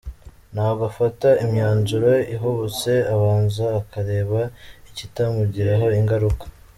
Ntabwo afata imyanzuro ihubutse, abanza akareba ikitamugiraho ingaruka.